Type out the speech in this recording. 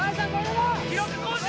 ・記録更新！